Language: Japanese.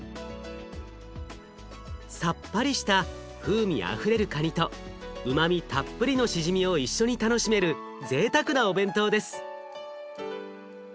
さっぱりした風味あふれるカニとうまみたっぷりのしじみを一緒に楽しめるぜいたくなお弁当です。